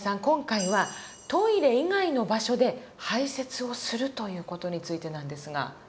今回はトイレ以外の場所で排泄をするという事についてなんですが。